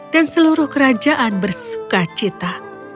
dan seluruh kerajaan bersuka cita